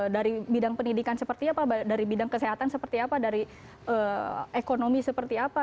dari bidang pendidikan seperti apa dari bidang kesehatan seperti apa dari ekonomi seperti apa